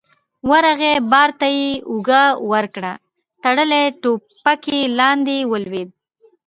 ورغی، بار ته يې اوږه ورکړه، تړلې ټوپکې لاندې ولوېدې.